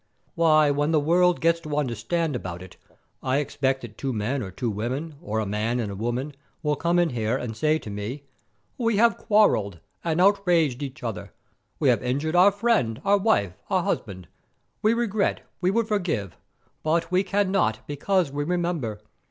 "Why, when the world gets to understand about it I expect that two men or two women, or a man and a woman, will come in here, and say to me, 'We have quarrelled and outraged each other, we have injured our friend, our wife, our husband; we regret, we would forgive, but we cannot, because we remember.